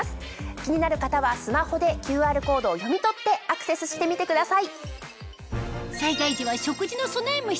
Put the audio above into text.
気になる方はスマホでＱＲコードを読み取ってアクセスしてみてください。